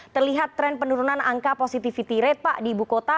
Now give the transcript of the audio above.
terlihat tren penurunan angka positivity rate pak di ibu kota